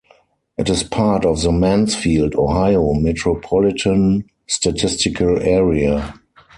It is part of the Mansfield, Ohio Metropolitan Statistical Area.